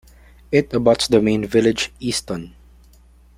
It abuts the main village Easton.